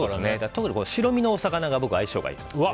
特に白身のお魚と相性がいいです。